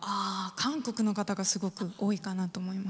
韓国の方がすごく多いかなと思います。